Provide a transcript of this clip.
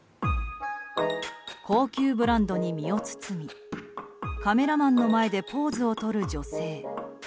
高級ブランドに身を包みカメラマンの前でポーズをとる女性。